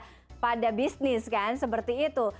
mengacu pada bisnis kan seperti itu